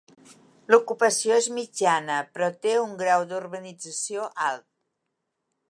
L'ocupació és mitjana però té un grau d'urbanització alt.